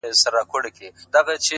مه وايه دا چي اور وړي خوله كي،